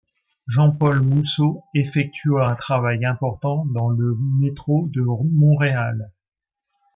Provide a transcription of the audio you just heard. Jean-Paul Mousseau effectua un travail important dans le métro de Montréal.